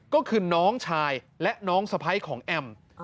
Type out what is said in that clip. ก็คือน้องชายและน้องสะพ้ายของแอม